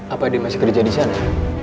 apa dia masih kerja di sana